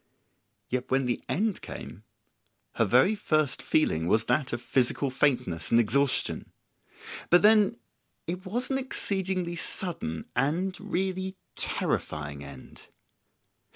Yet when the end came her very first feeling was that of physical faintness and exhaustion. But then it was an exceedingly sudden and really terrifying end.